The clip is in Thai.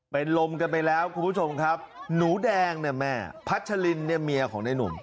เป็นลมกันไปแล้วคุณผู้ชมครับหนูแดงเนี่ยแม่พัชลินเนี่ยเมียของในหนุ่ม